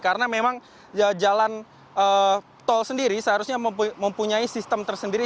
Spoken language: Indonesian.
karena memang jalan tol sendiri seharusnya mempunyai sistem tersendiri